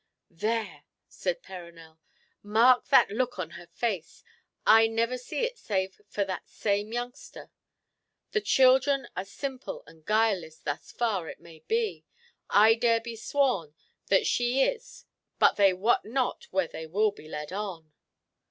"There!" said Perronel. "Mark that look on her face! I never see it save for that same youngster. The children are simple and guileless thus far, it may be. I dare be sworn that she is, but they wot not where they will be led on."